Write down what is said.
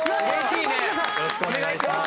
よろしくお願いします。